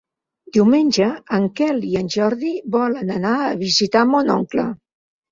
Diumenge en Quel i en Jordi volen anar a visitar mon oncle.